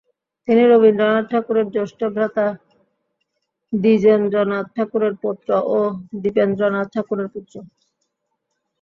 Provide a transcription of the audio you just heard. তিনি রবীন্দ্রনাথ ঠাকুরের জ্যেষ্ঠভ্রাতা দ্বিজেন্দ্রনাথ ঠাকুরের পৌত্র ও দ্বীপেন্দ্রনাথ ঠাকুরের পুত্র।